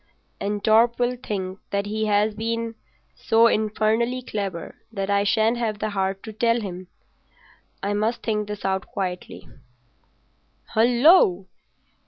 "And Torp will think that he has been so infernally clever that I shan't have the heart to tell him. I must think this out quietly." "Hullo!"